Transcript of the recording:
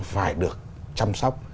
phải được chăm sóc